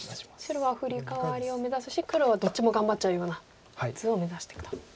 白はフリカワリを目指すし黒はどっちも頑張っちゃうような図を目指していくと。